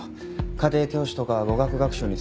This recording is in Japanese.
家庭教師とか語学学習に使ってる人。